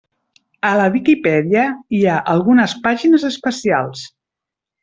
A la Viquipèdia hi ha algunes pàgines especials.